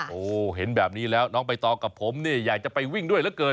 โอ้โหเห็นแบบนี้แล้วน้องใบตองกับผมเนี่ยอยากจะไปวิ่งด้วยเหลือเกิน